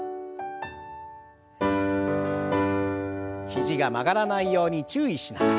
肘が曲がらないように注意しながら。